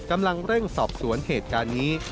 กำลังเร่งสอบสวนเหตุการณ์นี้